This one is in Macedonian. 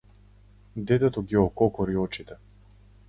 Детето ги ококори очите.